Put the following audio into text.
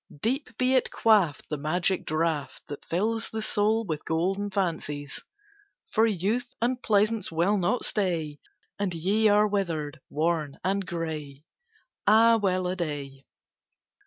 Deep be it quaffed, the magic draught That fills the soul with golden fancies! For Youth and Pleasance will not stay, And ye are withered, worn, and gray. Ah, well a day!